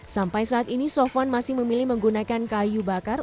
sampai saat ini sofwan masih memilih menggunakan kayu bakar